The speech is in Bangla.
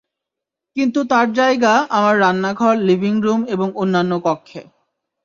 কিন্তু তার জায়গা আমার রান্না ঘর, লিভিং রুম এবং অন্যান্য কক্ষে।